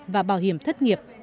và bảo hiểm thất nghiệp